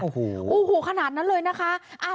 โอ้โหขนาดนั้นเลยนะคะ